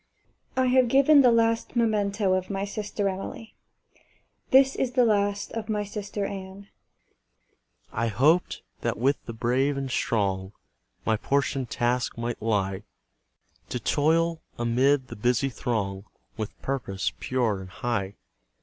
I have given the last memento of my sister Emily; this is the last of my sister Anne: I hoped, that with the brave and strong, My portioned task might lie; To toil amid the busy throng, With purpose pure and high.